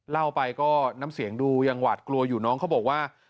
เล่าไปก็น้ำเสียงดูยังหวาดกลัวอยู่น้องเขาบอกว่า